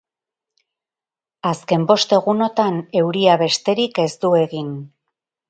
Azken bost egunotan euria besterik ez du egin.